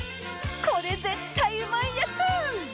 これ絶対うまいやつ！